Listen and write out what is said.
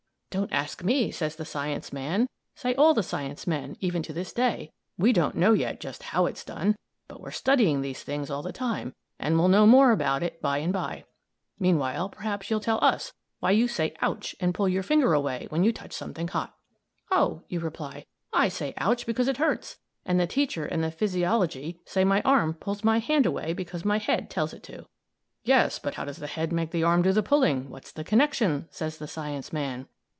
"Don't ask me!" says the science man; say all the science men, even to this day. "We don't know yet just how it's done. But we're studying these things all the time, and we'll know more about it by and by. Meanwhile, perhaps you'll tell us why you say 'ouch' and pull your finger away when you touch something hot." "Oh," you reply, "I say 'ouch' because it hurts; and teacher and the Physiology say my arm pulls my hand away because my head tells it to." "Yes, but how does the head make the arm do the pulling? What's the connection?" says the science man.